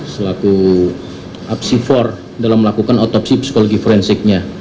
selaku apsifor dalam melakukan otopsi psikologi forensiknya